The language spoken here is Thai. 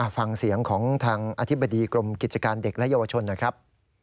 ฟังเสียงของทางอธิบดีกรมกิจการเด็กและเยาวชนหน่อยครับ